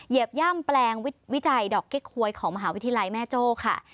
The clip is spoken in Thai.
เหยบย่ำแปลงวิจัยดอกเก๊กหวยของมหาวิทยาลัยแม่โจ้ค่ะ